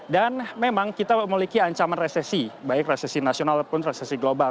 dan memang kita memiliki ancaman resesi baik resesi nasional ataupun resesi global